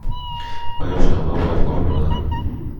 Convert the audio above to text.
آیا شنبه ها باید کار کنم؟